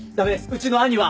うちの兄は。